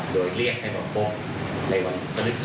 โดยเรียกให้ปกป้องในวัน๑๒๑๕น